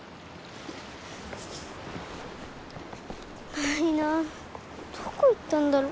ないなあどこいったんだろう。